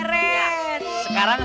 emosi sih emang